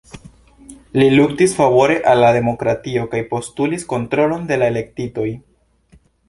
Li luktis favore al la demokratio kaj postulis kontrolon de la elektitoj.